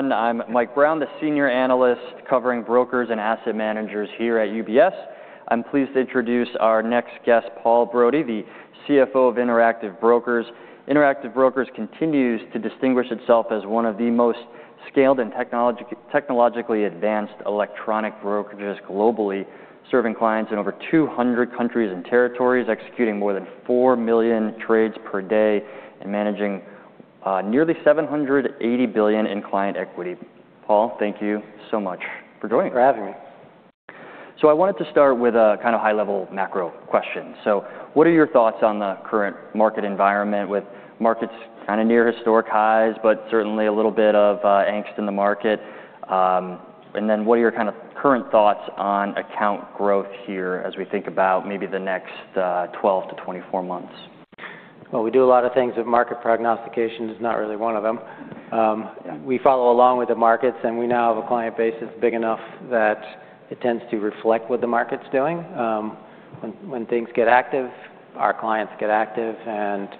Okay. Hello everyone. I'm Mike Brown, the senior analyst covering brokers and asset managers here at UBS. I'm pleased to introduce our next guest, Paul Brody, the CFO of Interactive Brokers. Interactive Brokers continues to distinguish itself as one of the most scaled and technologically advanced electronic brokerages globally, serving clients in over 200 countries and territories, executing more than 4 million trades per day, and managing nearly $780 billion in client equity. Paul, thank you so much for joining. For having me. So I wanted to start with a kind of high-level macro question. So what are your thoughts on the current market environment with markets kinda near historic highs but certainly a little bit of angst in the market? And then what are your kinda current thoughts on account growth here as we think about maybe the next 12-24 months? Well, we do a lot of things, but market prognostication is not really one of them. We follow along with the markets, and we now have a client base that's big enough that it tends to reflect what the market's doing. When things get active, our clients get active, and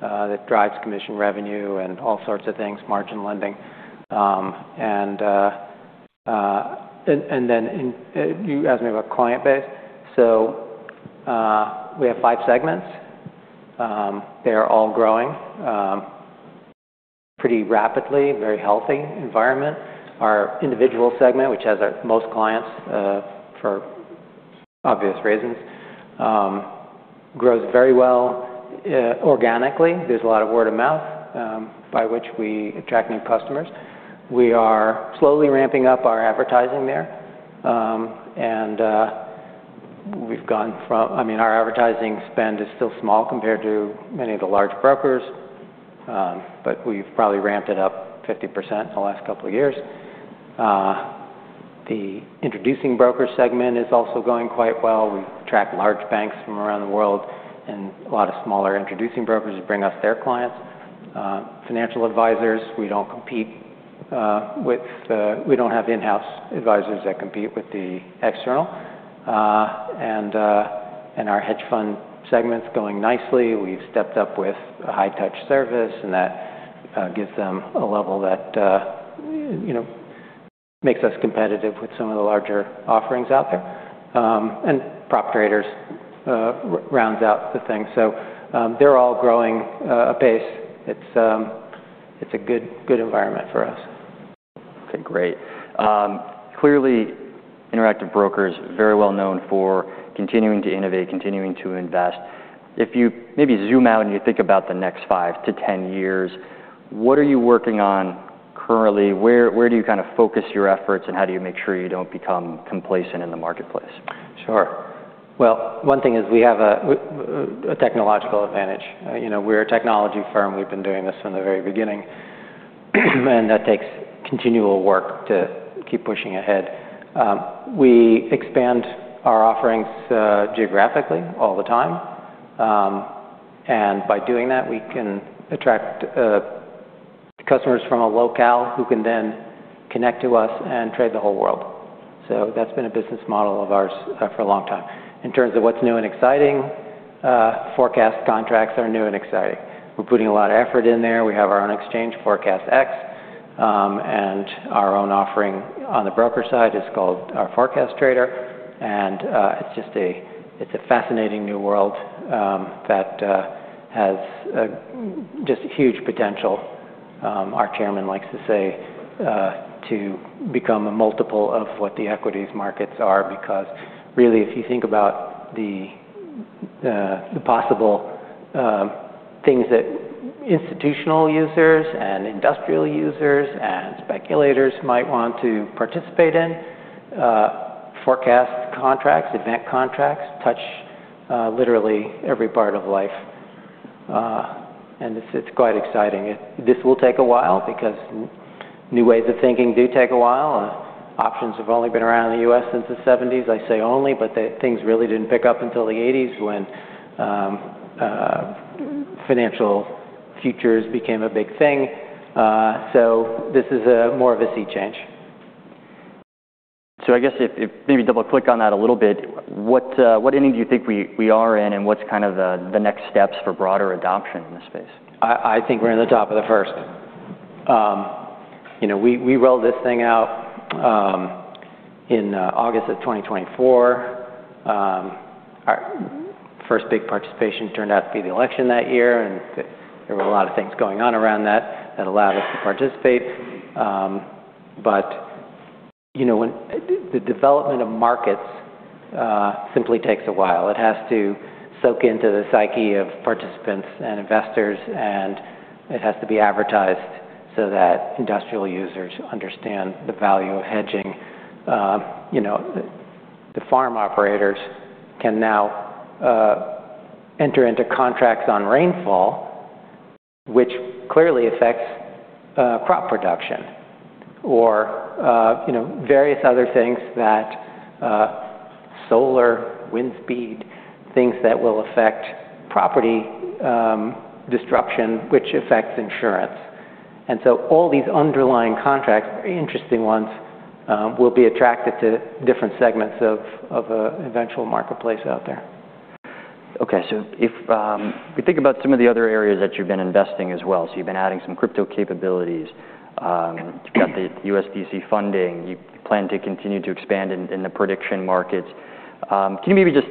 that drives commission revenue and all sorts of things, margin lending. And then, you asked me about client base. So, we have five segments. They are all growing, pretty rapidly, very healthy environment. Our Individual segment, which has our most clients, for obvious reasons, grows very well, organically. There's a lot of word of mouth, by which we attract new customers. We are slowly ramping up our advertising there. And we've gone from—I mean, our advertising spend is still small compared to many of the large brokers, but we've probably ramped it up 50% in the last couple of years. The Introducing Broker segment is also going quite well. We track large banks from around the world, and a lot of smaller introducing brokers bring us their clients. Financial Advisors, we don't compete with; we don't have in-house advisors that compete with the external. And our Hedge Fund segment's going nicely. We've stepped up with a high-touch service, and that gives them a level that, you know, makes us competitive with some of the larger offerings out there. prop traders rounds out the thing. So, they're all growing base. It's a good environment for us. Okay. Great. Clearly, Interactive Brokers is very well known for continuing to innovate, continuing to invest. If you maybe zoom out and you think about the next 5-10 years, what are you working on currently? Where, where do you kinda focus your efforts, and how do you make sure you don't become complacent in the marketplace? Sure. Well, one thing is we have a technological advantage. You know, we're a technology firm. We've been doing this from the very beginning, and that takes continual work to keep pushing ahead. We expand our offerings geographically all the time. And by doing that, we can attract customers from a locale who can then connect to us and trade the whole world. So that's been a business model of ours for a long time. In terms of what's new and exciting, Forecast Contracts are new and exciting. We're putting a lot of effort in there. We have our own exchange, ForecastEx. And our own offering on the broker side is called our ForecastTrader. It's just a fascinating new world that has just huge potential. Our chairman likes to say to become a multiple of what the equities markets are because, really, if you think about the possible things that institutional users and industrial users and speculators might want to participate in, Forecast Contracts, event contracts touch literally every part of life. And it's quite exciting. It will take a while because new ways of thinking do take a while. Options have only been around in the U.S. since the 1970s. I say only, but the things really didn't pick up until the 1980s when financial futures became a big thing. So this is more of a sea change. So, I guess if maybe double-click on that a little bit, what ending do you think we are in, and what's kind of the next steps for broader adoption in this space? I think we're in the top of the first. You know, we rolled this thing out in August of 2024. Our first big participation turned out to be the election that year, and there were a lot of things going on around that that allowed us to participate. But you know, when the development of markets simply takes a while. It has to soak into the psyche of participants and investors, and it has to be advertised so that industrial users understand the value of hedging. You know, the farm operators can now enter into contracts on rainfall, which clearly affects crop production or, you know, various other things that solar, wind speed, things that will affect property disruption, which affects insurance. And so all these underlying contracts, very interesting ones, will be attracted to different segments of an eventual marketplace out there. Okay. So if we think about some of the other areas that you've been investing as well. So you've been adding some crypto capabilities. You've got the U.S.DC funding. You plan to continue to expand in the prediction markets. Can you maybe just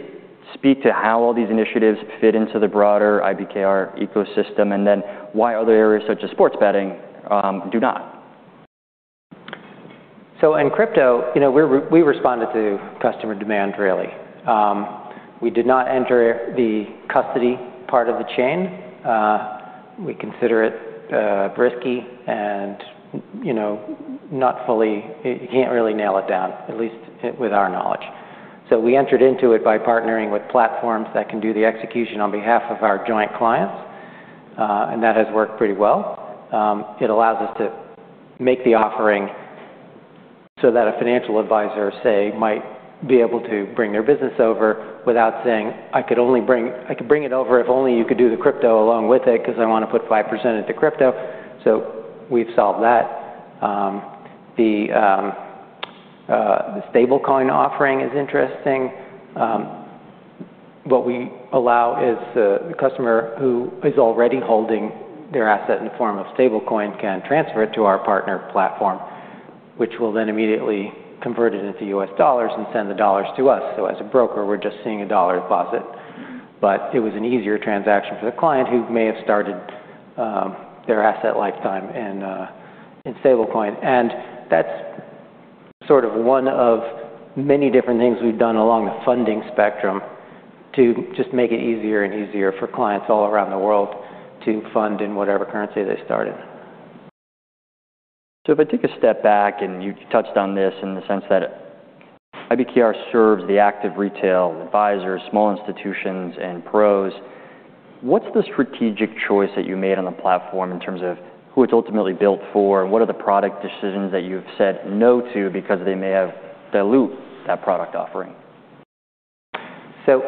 speak to how all these initiatives fit into the broader IBKR ecosystem, and then why other areas such as sports betting do not? So in crypto, you know, we responded to customer demand, really. We did not enter the custody part of the chain. We consider it risky and, you know, not fully, you can't really nail it down, at least with our knowledge. So we entered into it by partnering with platforms that can do the execution on behalf of our joint clients, and that has worked pretty well. It allows us to make the offering so that a financial advisor, say, might be able to bring their business over without saying, "I could bring it over if only you could do the crypto along with it 'cause I wanna put 5% into crypto." So we've solved that. The stablecoin offering is interesting. What we allow is, the customer who is already holding their asset in the form of stablecoin can transfer it to our partner platform, which will then immediately convert it into U.S. dollars and send the dollars to us. So as a broker, we're just seeing a dollar deposit. But it was an easier transaction for the client who may have started their asset lifetime in stablecoin. And that's sort of one of many different things we've done along the funding spectrum to just make it easier and easier for clients all around the world to fund in whatever currency they start in. If I take a step back, and you touched on this in the sense that IBKR serves the active retail advisors, small institutions, and pros, what's the strategic choice that you made on the platform in terms of who it's ultimately built for, and what are the product decisions that you've said no to because they may have dilute that product offering? So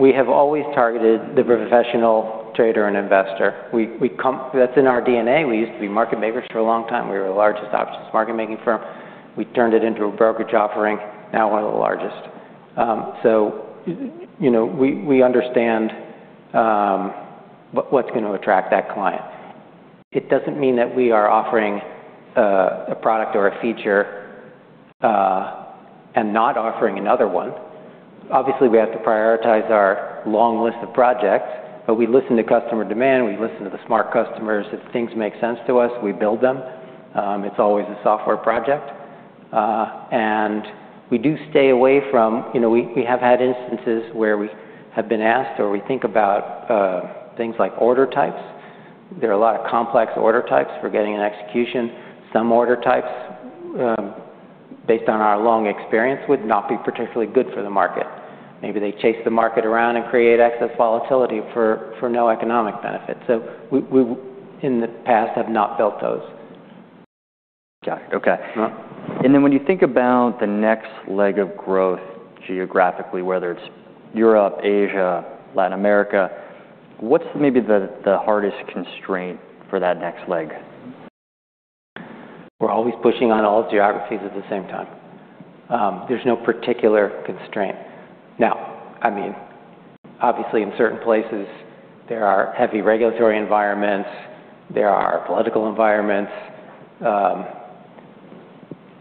we have always targeted the professional trader and investor. We come, that's in our DNA. We used to be market makers for a long time. We were the largest options market-making firm. We turned it into a brokerage offering, now one of the largest. So, you know, we understand what's gonna attract that client. It doesn't mean that we are offering a product or a feature and not offering another one. Obviously, we have to prioritize our long list of projects, but we listen to customer demand. We listen to the smart customers. If things make sense to us, we build them. It's always a software project. We do stay away from, you know, we have had instances where we have been asked or we think about things like order types. There are a lot of complex order types for getting an execution. Some order types, based on our long experience with, not be particularly good for the market. Maybe they chase the market around and create excess volatility for no economic benefit. So we in the past have not built those. Got it. Okay. Yeah. And then when you think about the next leg of growth geographically, whether it's Europe, Asia, Latin America, what's maybe the hardest constraint for that next leg? We're always pushing on all geographies at the same time. There's no particular constraint. Now, I mean, obviously, in certain places, there are heavy regulatory environments. There are political environments.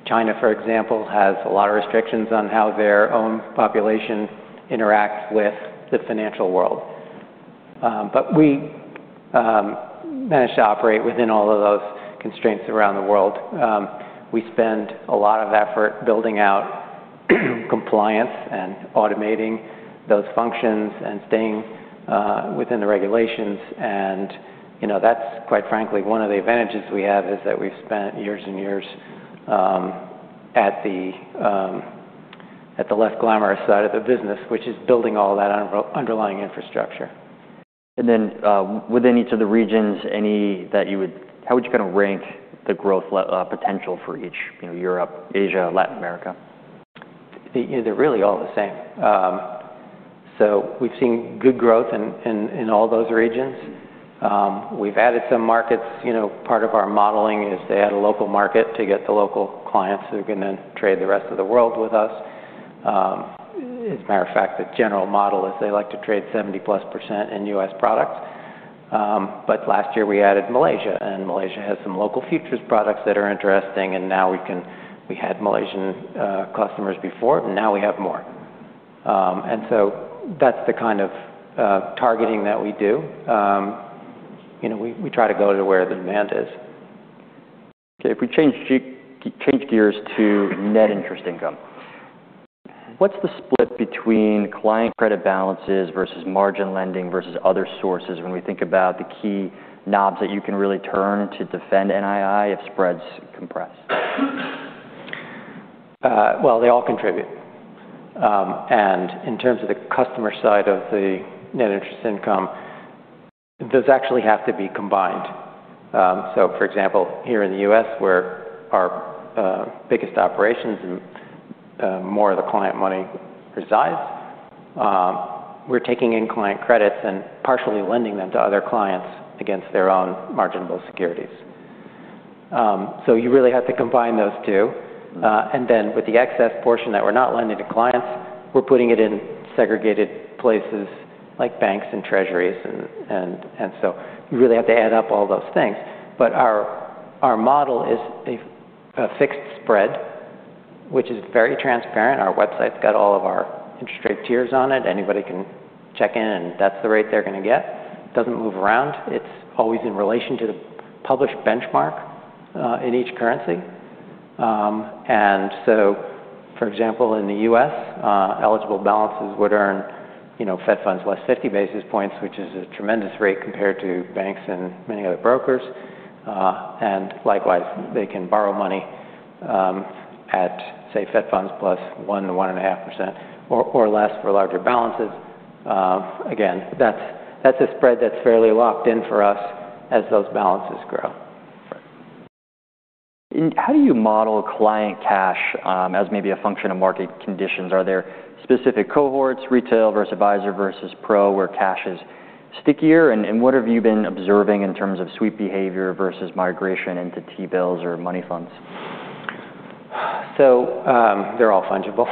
China, for example, has a lot of restrictions on how their own population interacts with the financial world. But we manage to operate within all of those constraints around the world. We spend a lot of effort building out compliance and automating those functions and staying within the regulations. And, you know, that's quite frankly one of the advantages we have is that we've spent years and years at the less glamorous side of the business, which is building all that underlying infrastructure. Then, within each of the regions, how would you kinda rank the growth potential for each, you know, Europe, Asia, Latin America? They, you know, they're really all the same. So we've seen good growth in all those regions. We've added some markets. You know, part of our modeling is they add a local market to get the local clients who can then trade the rest of the world with us. As a matter of fact, the general model is they like to trade 70%+ in U.S. products. But last year, we added Malaysia, and Malaysia has some local futures products that are interesting. And now we can we had Malaysian customers before, and now we have more. And so that's the kind of targeting that we do. You know, we try to go to where the demand is. Okay. If we change gears to net interest income, what's the split between client credit balances versus margin lending versus other sources when we think about the key knobs that you can really turn to defend NII if spreads compress? Well, they all contribute. In terms of the customer side of the net interest income, those actually have to be combined. For example, here in the U.S., where our biggest operations and more of the client money resides, we're taking in client credits and partially lending them to other clients against their own marginable securities. You really have to combine those two. Then with the excess portion that we're not lending to clients, we're putting it in segregated places like banks and Treasuries. So you really have to add up all those things. But our model is a fixed spread, which is very transparent. Our website's got all of our interest rate tiers on it. Anybody can check in, and that's the rate they're gonna get. It doesn't move around. It's always in relation to the published benchmark, in each currency. And so, for example, in the U.S., eligible balances would earn, you know, Fed funds less 50 basis points, which is a tremendous rate compared to banks and many other brokers. And likewise, they can borrow money, at, say, Fed funds plus 1%-1.5% or, or less for larger balances. Again, that's, that's a spread that's fairly locked in for us as those balances grow. How do you model client cash, as maybe a function of market conditions? Are there specific cohorts, retail versus advisor versus pro, where cash is stickier? And what have you been observing in terms of sweep behavior versus migration into T-bills or money funds? So, they're all fungible.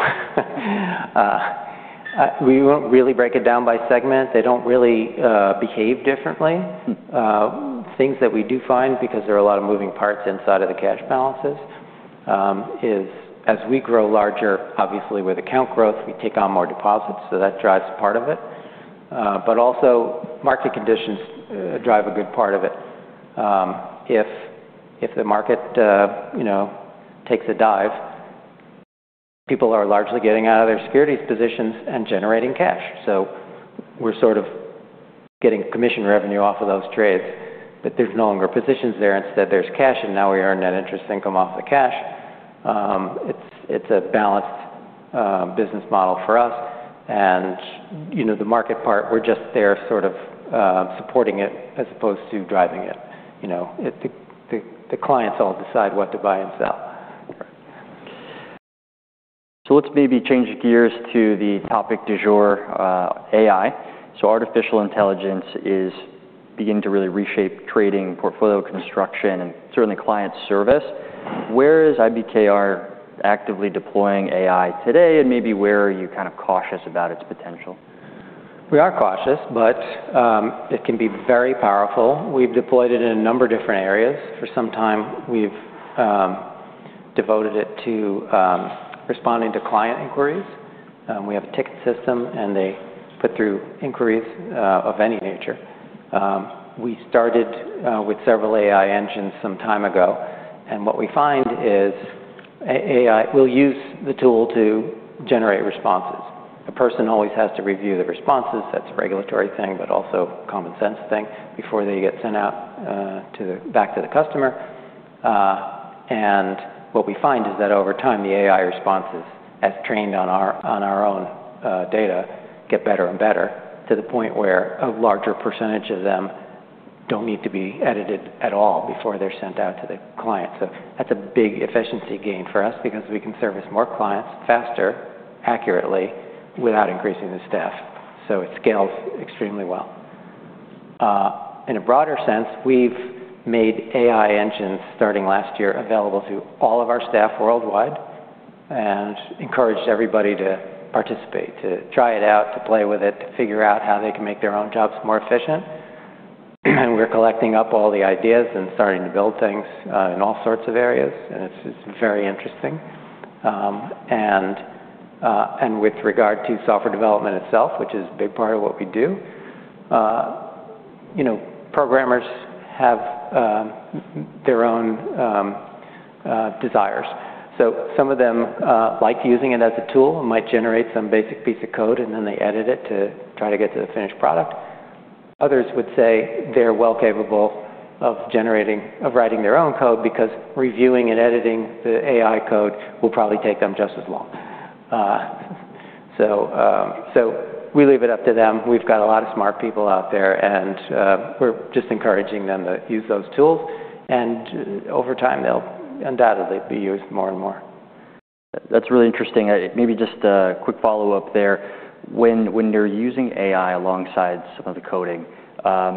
We won't really break it down by segment. They don't really behave differently. Things that we do find, because there are a lot of moving parts inside of the cash balances, is as we grow larger, obviously, with account growth, we take on more deposits, so that drives part of it. But also, market conditions drive a good part of it. If the market, you know, takes a dive, people are largely getting out of their securities positions and generating cash. So we're sort of getting commission revenue off of those trades, but there's no longer positions there. Instead, there's cash, and now we earn net interest income off the cash. It's a balanced business model for us. And, you know, the market part, we're just there sort of supporting it as opposed to driving it. You know, the clients all decide what to buy and sell. Let's maybe change gears to the topic du jour, AI. Artificial intelligence is beginning to really reshape trading, portfolio construction, and certainly client service. Where is IBKR actively deploying AI today, and maybe where are you kind of cautious about its potential? We are cautious, but it can be very powerful. We've deployed it in a number of different areas. For some time, we've devoted it to responding to client inquiries. We have a ticket system, and they put through inquiries of any nature. We started with several AI engines some time ago, and what we find is AI, we'll use the tool to generate responses. A person always has to review the responses. That's a regulatory thing but also common sense thing before they get sent out back to the customer. And what we find is that over time, the AI responses, as trained on our own data, get better and better to the point where a larger percentage of them don't need to be edited at all before they're sent out to the client. So that's a big efficiency gain for us because we can service more clients faster, accurately, without increasing the staff. So it scales extremely well. In a broader sense, we've made AI engines starting last year available to all of our staff worldwide and encouraged everybody to participate, to try it out, to play with it, to figure out how they can make their own jobs more efficient. And we're collecting up all the ideas and starting to build things in all sorts of areas, and it's very interesting. And with regard to software development itself, which is a big part of what we do, you know, programmers have their own desires. So some of them like using it as a tool and might generate some basic piece of code, and then they edit it to try to get to the finished product. Others would say they're well capable of generating or writing their own code because reviewing and editing the AI code will probably take them just as long. So, we leave it up to them. We've got a lot of smart people out there, and we're just encouraging them to use those tools. And over time, they'll undoubtedly be used more and more. That's really interesting. Maybe just a quick follow-up there. When, when you're using AI alongside some of the coding,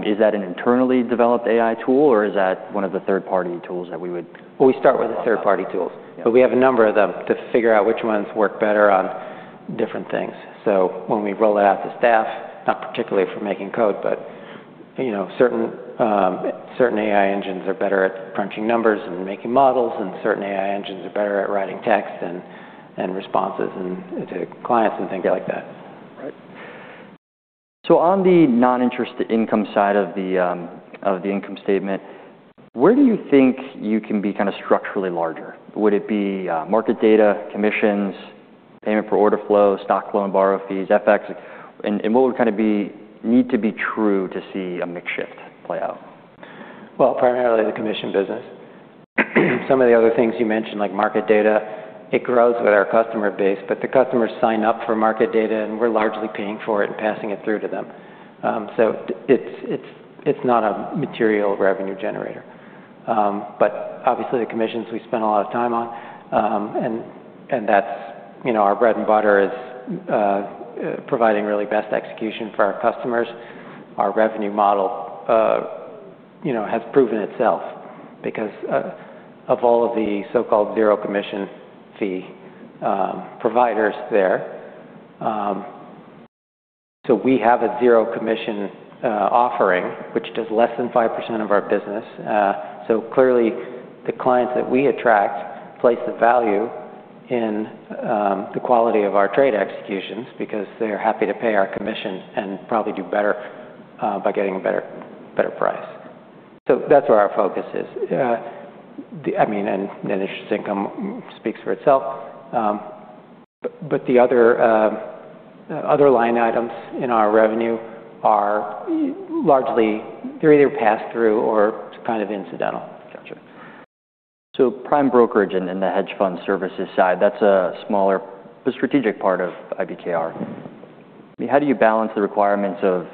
is that an internally developed AI tool, or is that one of the third-party tools that we would? Well, we start with the third-party tools. Yeah. But we have a number of them to figure out which ones work better on different things. So when we roll it out to staff, not particularly for making code, but, you know, certain AI engines are better at crunching numbers and making models, and certain AI engines are better at writing text and responses and to clients and things like that. Right. So on the non-interest income side of the income statement, where do you think you can be kinda structurally larger? Would it be market data, commissions, payment for order flow, stock loan borrow fees, FX? And what would kinda need to be true to see a mix shift play out? Well, primarily the commission business. Some of the other things you mentioned, like market data, it grows with our customer base, but the customers sign up for market data, and we're largely paying for it and passing it through to them. So it's not a material revenue generator. But obviously, the commissions, we spend a lot of time on. And that's, you know, our bread and butter is providing really best execution for our customers. Our revenue model, you know, has proven itself because of all of the so-called zero commission fee providers there. So we have a zero commission offering, which does less than 5% of our business. So clearly, the clients that we attract place the value in the quality of our trade executions because they're happy to pay our commission and probably do better by getting a better price. So that's where our focus is. I mean, net interest income speaks for itself. But the other line items in our revenue are largely, they're either passed through or kind of incidental. Gotcha. So prime brokers and the hedge fund services side, that's a smaller but strategic part of IBKR. I mean, how do you balance the requirements of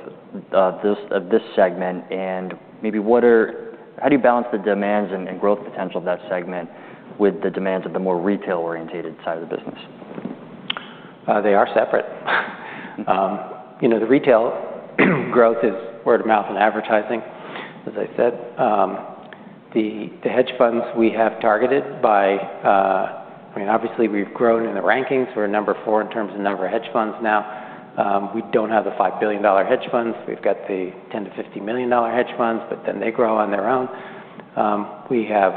this segment? And maybe how do you balance the demands and growth potential of that segment with the demands of the more retail-oriented side of the business? They are separate. You know, the retail growth is word of mouth and advertising, as I said. The, the hedge funds we have targeted by, I mean, obviously, we've grown in the rankings. We're number 4 in terms of number of hedge funds now. We don't have the $5 billion hedge funds. We've got the $10-$50 million hedge funds, but then they grow on their own. We have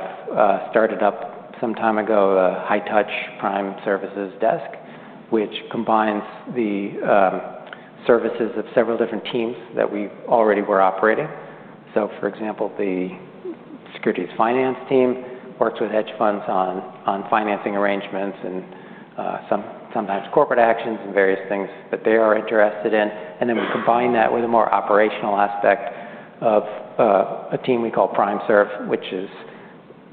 started up some time ago a High-Touch Prime Services desk, which combines the services of several different teams that we already were operating. So, for example, the securities finance team works with hedge funds on, on financing arrangements and, some-sometimes corporate actions and various things that they are interested in. And then we combine that with a more operational aspect of a team we call Prime Serve, which is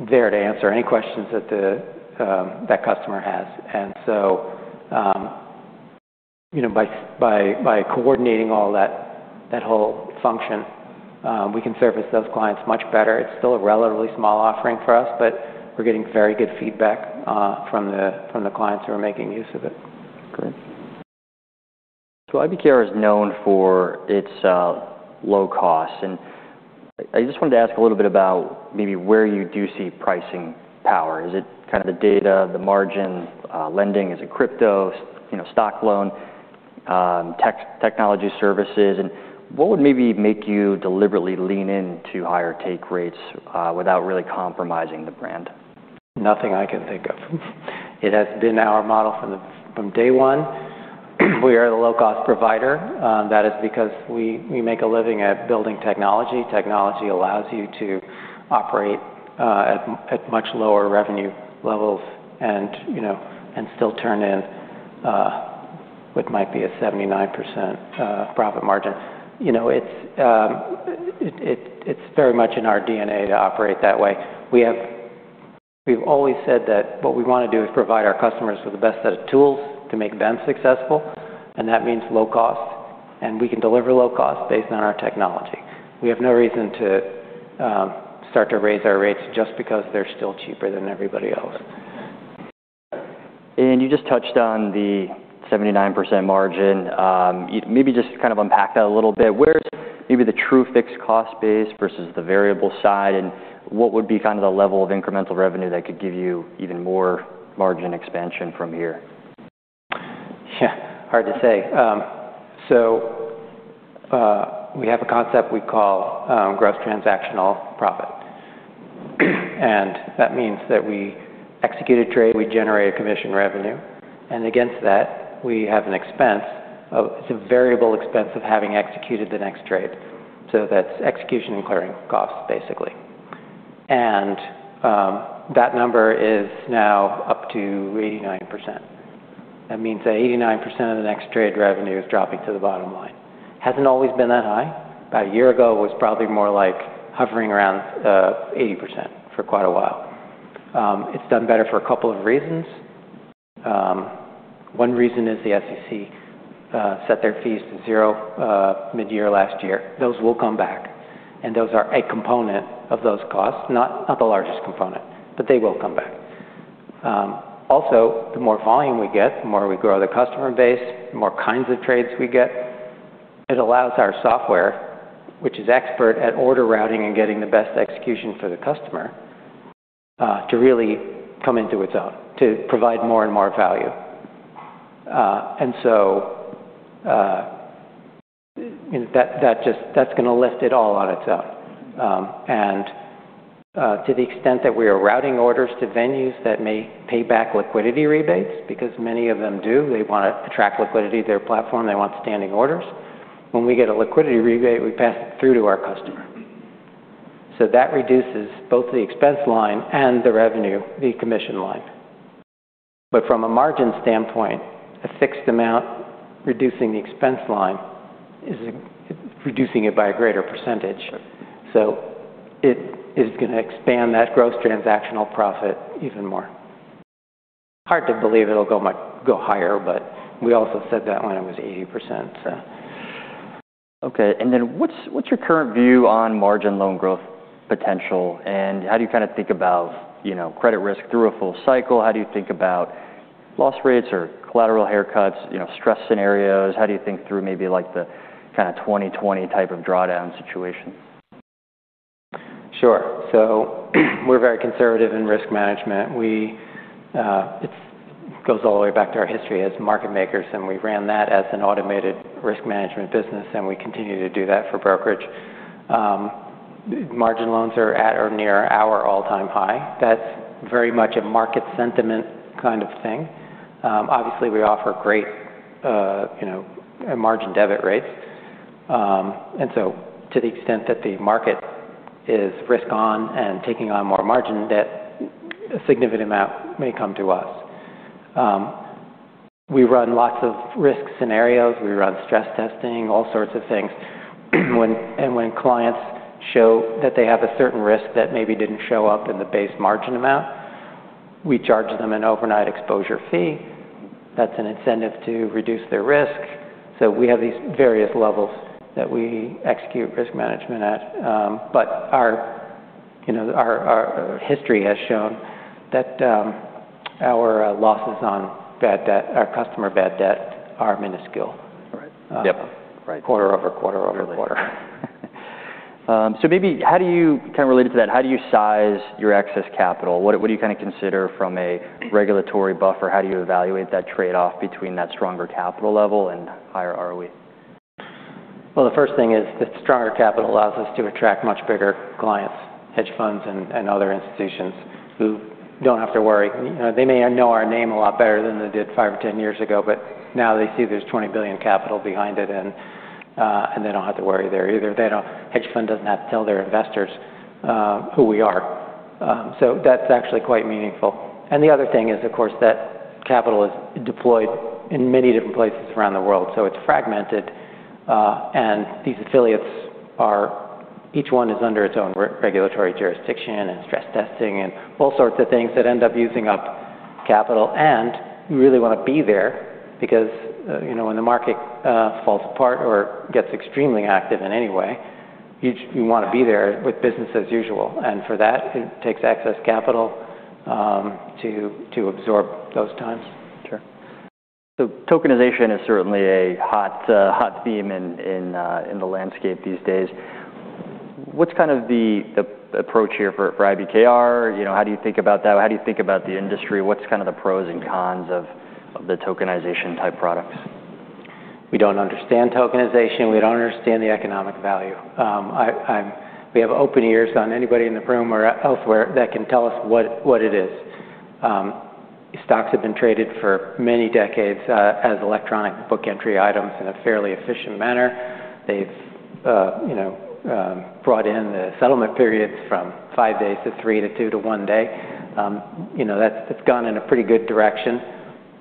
there to answer any questions that the, that customer has. And so, you know, by coordinating all that, that whole function, we can service those clients much better. It's still a relatively small offering for us, but we're getting very good feedback from the clients who are making use of it. Great. So IBKR is known for its low cost. And I just wanted to ask a little bit about maybe where you do see pricing power. Is it kinda the data, the margin lending? Is it crypto, you know, stock loan, technology services? And what would maybe make you deliberately lean into higher take rates, without really compromising the brand? Nothing I can think of. It has been our model from day one. We are the low-cost provider. That is because we make a living at building technology. Technology allows you to operate at much lower revenue levels and, you know, still turn in what might be a 79% profit margin. You know, it's very much in our DNA to operate that way. We've always said that what we wanna do is provide our customers with the best set of tools to make them successful, and that means low cost. And we can deliver low cost based on our technology. We have no reason to start to raise our rates just because they're still cheaper than everybody else. You just touched on the 79% margin. You maybe just kind of unpack that a little bit. Where's maybe the true fixed-cost base versus the variable side, and what would be kinda the level of incremental revenue that could give you even more margin expansion from here? Yeah. Hard to say. So, we have a concept we call Gross Transactional Profit. That means that we execute a trade. We generate a commission revenue. Against that, we have an expense. It's a variable expense of having executed that trade. So that's execution and clearing costs, basically. That number is now up to 89%. That means 89% of the net trade revenue is dropping to the bottom line. Hasn't always been that high. About a year ago, it was probably more like hovering around 80% for quite a while. It's done better for a couple of reasons. One reason is the SEC set their fees to zero mid-year last year. Those will come back, and those are a component of those costs, not the largest component, but they will come back. Also, the more volume we get, the more we grow the customer base, the more kinds of trades we get, it allows our software, which is expert at order routing and getting the best execution for the customer, to really come into its own to provide more and more value. And so, you know, that, that just that's gonna lift it all on its own. And, to the extent that we are routing orders to venues that may pay back liquidity rebates because many of them do, they wanna attract liquidity to their platform. They want standing orders. When we get a liquidity rebate, we pass it through to our customer. So that reduces both the expense line and the revenue, the commission line. But from a margin standpoint, a fixed amount reducing the expense line is a reducing it by a greater percentage. Right. So it is gonna expand that Gross Transactional Profit even more. Hard to believe it'll go much higher, but we also said that when it was 80%, so. Okay. And then what's your current view on margin loan growth potential? And how do you kinda think about, you know, credit risk through a full cycle? How do you think about loss rates or collateral haircuts, you know, stress scenarios? How do you think through maybe, like, the kinda 2020 type of drawdown situation? Sure. So we're very conservative in risk management. It goes all the way back to our history as market makers, and we ran that as an automated risk management business, and we continue to do that for brokerage. Margin loans are at or near our all-time high. That's very much a market sentiment kind of thing. Obviously, we offer great, you know, margin debit rates. And so to the extent that the market is risk-on and taking on more margin, a significant amount may come to us. We run lots of risk scenarios. We run stress testing, all sorts of things. When clients show that they have a certain risk that maybe didn't show up in the base margin amount, we charge them an overnight exposure fee. That's an incentive to reduce their risk. So we have these various levels that we execute risk management at. But, you know, our history has shown that our losses on bad debt, our customer bad debt, are minuscule. Right. Yep. Right. Quarter-over-quarter-over-quarter. So maybe how do you kinda relate to that, how do you size your excess capital? What do you kinda consider from a regulatory buffer? How do you evaluate that trade-off between that stronger capital level and higher ROE? Well, the first thing is the stronger capital allows us to attract much bigger clients, hedge funds, and, and other institutions who don't have to worry. You know, they may know our name a lot better than they did five or 10 years ago, but now they see there's $20 billion capital behind it, and, and they don't have to worry there either. They don't. Hedge fund doesn't have to tell their investors who we are. So that's actually quite meaningful. And the other thing is, of course, that capital is deployed in many different places around the world. So it's fragmented, and these affiliates are each one is under its own regulatory jurisdiction and stress testing and all sorts of things that end up using up capital. We really wanna be there because, you know, when the market falls apart or gets extremely active in any way, you wanna be there with business as usual. For that, it takes excess capital to absorb those times. Sure. So tokenization is certainly a hot, hot theme in the landscape these days. What's kind of the approach here for IBKR? You know, how do you think about that? How do you think about the industry? What's kinda the pros and cons of the tokenization-type products? We don't understand tokenization. We don't understand the economic value. I'm we have open ears on anybody in the room or elsewhere that can tell us what it is. Stocks have been traded for many decades, as electronic book entry items in a fairly efficient manner. They've, you know, brought in the settlement periods from 5 days to 3 to 2 to 1 day. You know, that's gone in a pretty good direction.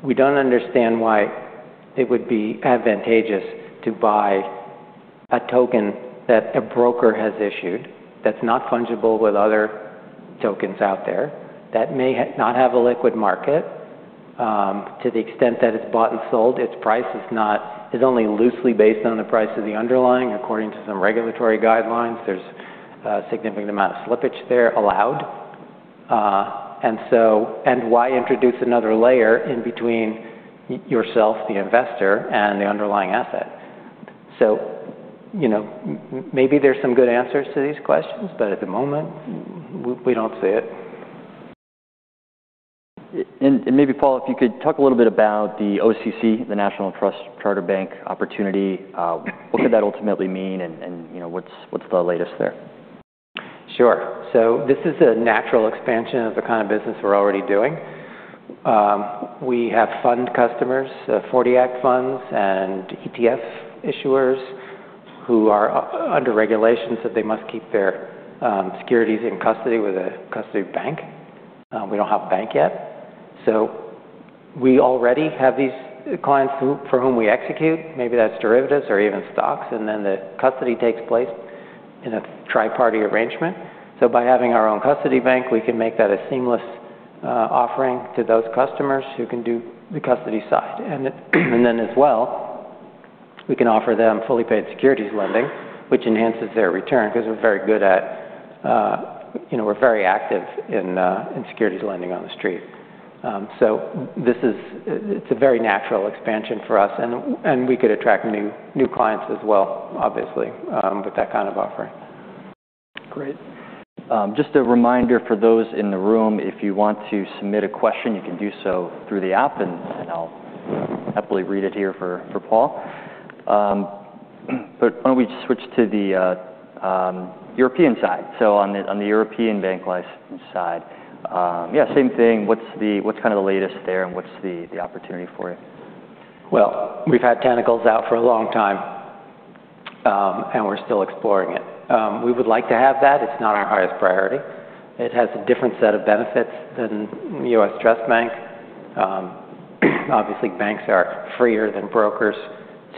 We don't understand why it would be advantageous to buy a token that a broker has issued that's not fungible with other tokens out there that may not have a liquid market. To the extent that it's bought and sold, its price is only loosely based on the price of the underlying. According to some regulatory guidelines, there's a significant amount of slippage there allowed. and so why introduce another layer in between yourself, the investor, and the underlying asset? So, you know, maybe there's some good answers to these questions, but at the moment, we don't see it. And maybe, Paul, if you could talk a little bit about the OCC, the national trust charter bank opportunity. What could that ultimately mean? And you know, what's the latest there? Sure. So this is a natural expansion of the kinda business we're already doing. We have fund customers, 40-Act funds and ETF issuers who are, under regulations, that they must keep their securities in custody with a custody bank. We don't have a bank yet. So we already have these clients who for whom we execute. Maybe that's derivatives or even stocks. And then the custody takes place in a tri-party arrangement. So by having our own custody bank, we can make that a seamless offering to those customers who can do the custody side. And it and then as well, we can offer them fully paid securities lending, which enhances their return 'cause we're very good at, you know, we're very active in, in securities lending on the street. So this is it's a very natural expansion for us. And we could attract new clients as well, obviously, with that kind of offering. Great. Just a reminder for those in the room, if you want to submit a question, you can do so through the app, and I'll happily read it here for Paul. But why don't we just switch to the European side? So on the European bank license side, yeah, same thing. What's the latest there, and what's the opportunity for you? Well, national trust charter out for a long time, and we're still exploring it. We would like to have that. It's not our highest priority. It has a different set of benefits than the U.S. trust bank. Obviously, banks are freer than brokers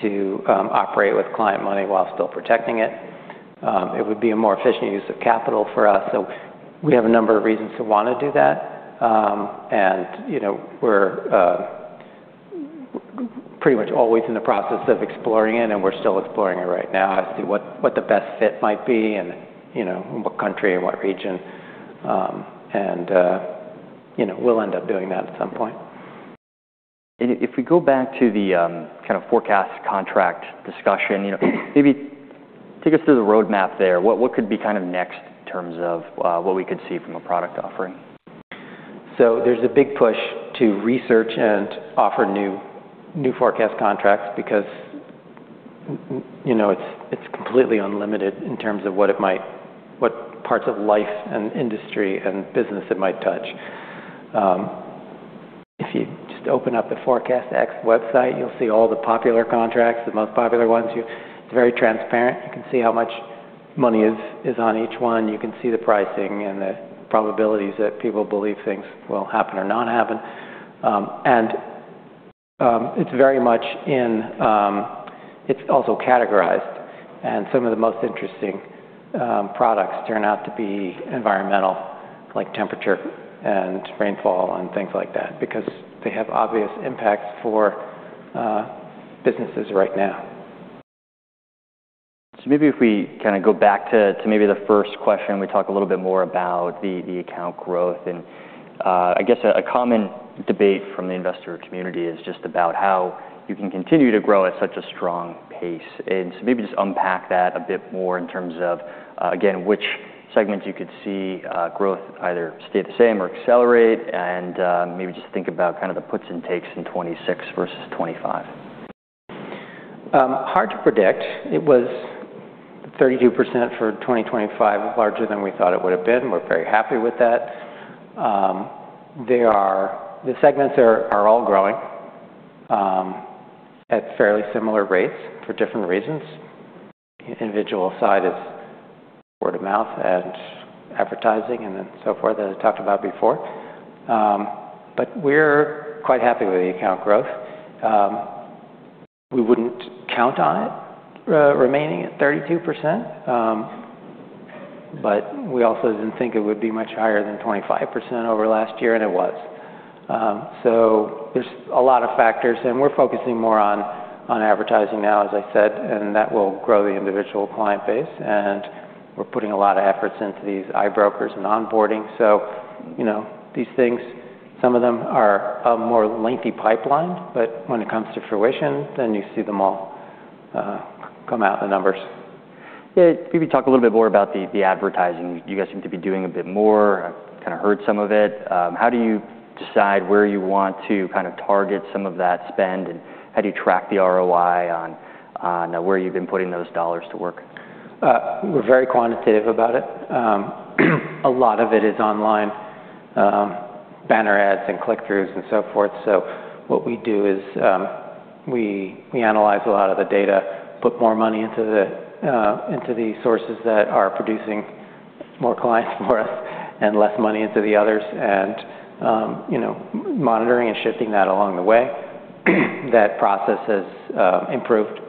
to operate with client money while still protecting it. It would be a more efficient use of capital for us. So we have a number of reasons to wanna do that. And, you know, we're pretty much always in the process of exploring it, and we're still exploring it right now as to what, what the best fit might be and, you know, in what country and what region. And, you know, we'll end up doing that at some point. If we go back to the kinda forecast contract discussion, you know, maybe take us through the roadmap there. What, what could be kind of next in terms of what we could see from a product offering? So there's a big push to research and offer new Forecast Contracts because, you know, it's completely unlimited in terms of what parts of life and industry and business it might touch. If you just open up the ForecastEx website, you'll see all the popular contracts, the most popular ones. It's very transparent. You can see how much money is on each one. You can see the pricing and the probabilities that people believe things will happen or not happen. And it's very much in, it's also categorized. And some of the most interesting products turn out to be environmental, like temperature and rainfall and things like that because they have obvious impacts for businesses right now. So maybe if we kinda go back to maybe the first question, we talk a little bit more about the account growth. I guess a common debate from the investor community is just about how you can continue to grow at such a strong pace. So maybe just unpack that a bit more in terms of, again, which segments you could see growth either stay the same or accelerate, and maybe just think about kinda the puts and takes in 2026 versus 2025. Hard to predict. It was 32% for 2025, larger than we thought it would have been. We're very happy with that. They are the segments are all growing at fairly similar rates for different reasons. Individual side is word of mouth and advertising and then so forth that I talked about before. But we're quite happy with the account growth. We wouldn't count on it remaining at 32%. But we also didn't think it would be much higher than 25% over last year, and it was. So there's a lot of factors, and we're focusing more on advertising now, as I said, and that will grow the individual client base. And we're putting a lot of efforts into these iBrokers and onboarding. So, you know, these things some of them are a more lengthy pipeline, but when it comes to fruition, then you see them all come out in the numbers. Yeah. Maybe talk a little bit more about the advertising. You guys seem to be doing a bit more. I've kinda heard some of it. How do you decide where you want to kinda target some of that spend, and how do you track the ROI on where you've been putting those dollars to work? We're very quantitative about it. A lot of it is online, banner ads and click-throughs and so forth. So what we do is, we analyze a lot of the data, put more money into the sources that are producing more clients for us and less money into the others, and, you know, monitoring and shifting that along the way. That process has improved,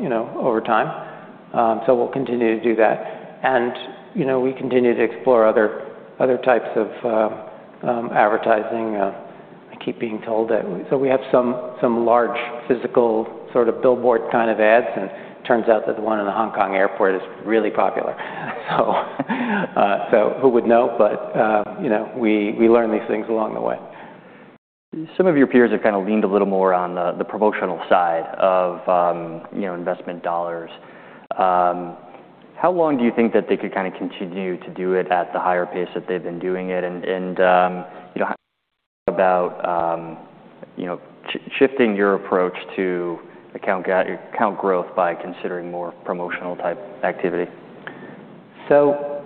you know, over time. So we'll continue to do that. And, you know, we continue to explore other types of advertising. I keep being told that, so we have some large physical sort of billboard kind of ads, and it turns out that the one in the Hong Kong airport is really popular. So who would know? But, you know, we learn these things along the way. Some of your peers have kinda leaned a little more on the promotional side of, you know, investment dollars. How long do you think that they could kinda continue to do it at the higher pace that they've been doing it? You know, how about, you know, shifting your approach to account growth by considering more promotional-type activity? So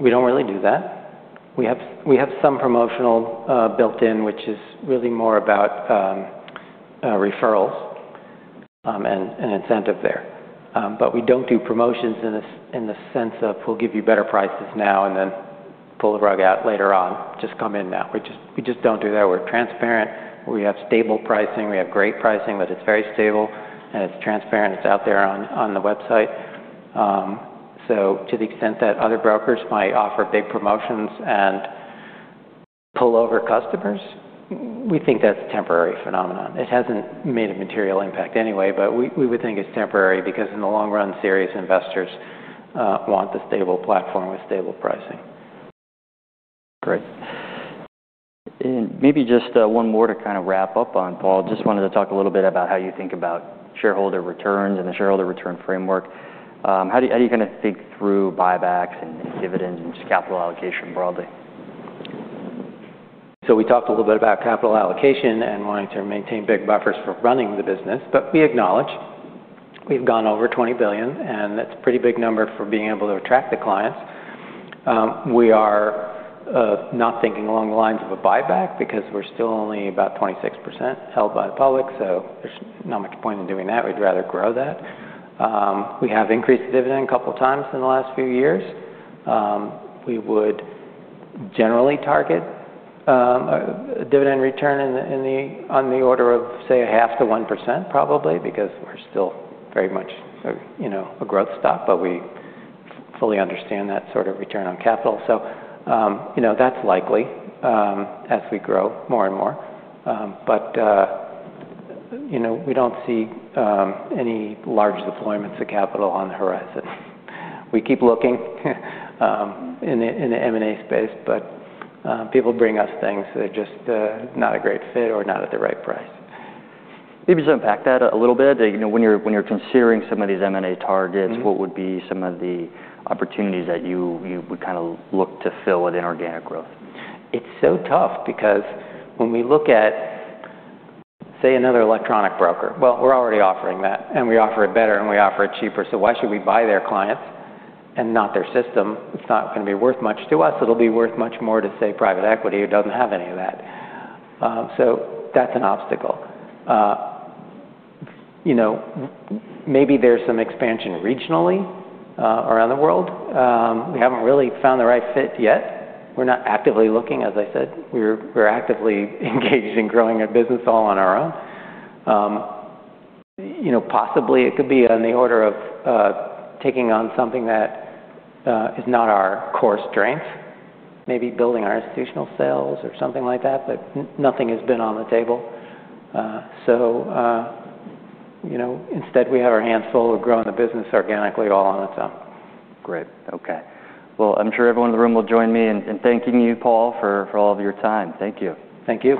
we don't really do that. We have some promotional, built-in, which is really more about referrals and incentives there. But we don't do promotions in the sense of, "We'll give you better prices now and then pull the rug out later on. Just come in now." We just don't do that. We're transparent. We have stable pricing. We have great pricing, but it's very stable, and it's transparent. It's out there on the website. So to the extent that other brokers might offer big promotions and pull over customers, we think that's a temporary phenomenon. It hasn't made a material impact anyway, but we would think it's temporary because in the long run, serious investors want the stable platform with stable pricing. Great. Maybe just one more to kinda wrap up on, Paul. Just wanted to talk a little bit about how you think about shareholder returns and the shareholder return framework. How do you how do you kinda think through buybacks and, and dividends and just capital allocation broadly? So we talked a little bit about capital allocation and wanting to maintain big buffers for running the business, but we acknowledge we've gone over $20 billion, and that's a pretty big number for being able to attract the clients. We are not thinking along the lines of a buyback because we're still only about 26% held by the public, so there's not much point in doing that. We'd rather grow that. We have increased dividend a couple times in the last few years. We would generally target a dividend return in the on the order of, say, 0.5%-1% probably because we're still very much a, you know, a growth stock, but we fully understand that sort of return on capital. So, you know, that's likely, as we grow more and more. But you know, we don't see any large deployments of capital on the horizon. We keep looking in the M&A space, but people bring us things that are just not a great fit or not at the right price. Maybe just unpack that a little bit. You know, when you're considering some of these M&A targets. Mm-hmm. What would be some of the opportunities that you would kinda look to fill within organic growth? It's so tough because when we look at, say, another electronic broker, well, we're already offering that, and we offer it better, and we offer it cheaper. So why should we buy their clients and not their system? It's not gonna be worth much to us. It'll be worth much more to, say, private equity who doesn't have any of that. So that's an obstacle. You know, maybe there's some expansion regionally, around the world. We haven't really found the right fit yet. We're not actively looking, as I said. We're, we're actively engaged in growing our business all on our own. You know, possibly, it could be on the order of, taking on something that is not our core strength, maybe building our institutional sales or something like that, but nothing has been on the table. So, you know, instead, we have our hands full. We're growing the business organically all on its own. Great. Okay. Well, I'm sure everyone in the room will join me in thanking you, Paul, for all of your time. Thank you. Thank you.